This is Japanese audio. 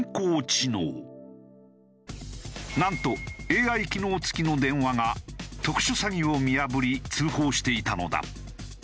なんとＡＩ機能付きの電話が特殊詐欺を見破り通報していたのだ。